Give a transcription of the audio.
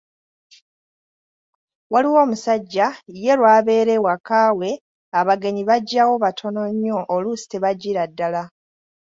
Waliwo omusajja, ye lw'abeera ewaka we "abagenyi" bajjawo batono nnyo, oluusi tebajjira ddala.